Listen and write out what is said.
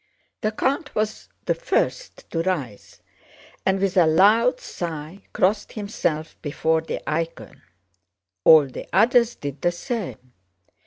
The count was the first to rise, and with a loud sigh crossed himself before the icon. All the others did the same.